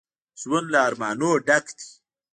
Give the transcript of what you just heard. ژوند له ارمانونو ډک دی